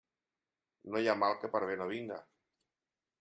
No hi ha mal que per bé no vinga.